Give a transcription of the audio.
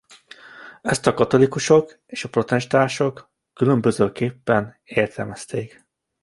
Ezt a katolikusok és a protestánsok különbözőképpen értelmezték.